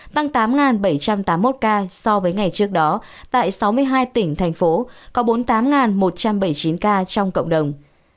tăng tám bảy trăm tám mươi một ca so với ngày trước đó tại sáu mươi hai tỉnh thành phố có bốn mươi tám một trăm bảy mươi chín ca trong cộng đồng